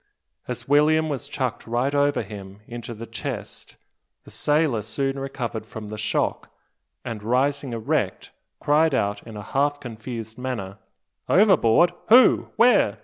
As William was chucked right over him into the chest the sailor soon recovered from the shock, and rising erect, cried out in a half confused manner, "Overboard! Who? Where?